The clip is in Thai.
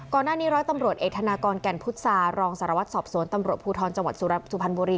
ก่อนหน้านี้รถตำรวจเอกทนากรแก่นพุทธศาสตร์รองสารวัตรสอบสวนตำรวจภูทรจังหวัดสุพรรณบุรี